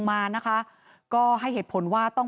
ปี๖๕วันเช่นเดียวกัน